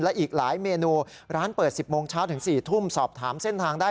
และอีกหลายเมนูร้านเปิด๑๐โมงเช้าถึง๔ทุ่มสอบถามเส้นทางได้